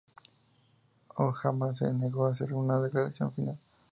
Muhammad se negó a hacer una declaración final.